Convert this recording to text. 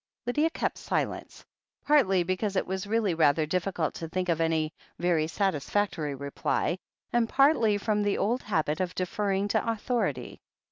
Lydia kept silence, partly because it was really rather difficult to think of any very satisfactory reply, and partly from the old habit of deferring to authority.